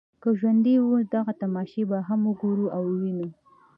که ژوندي وو دغه تماشه به هم وګورو او وینو.